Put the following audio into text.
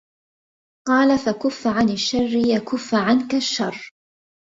قَالَ فَكُفَّ عَنْ الشَّرِّ يَكُفَّ عَنْك الشَّرُّ